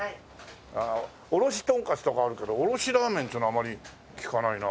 おろしトンカツとかあるけどおろしラーメンっつうのはあまり聞かないな。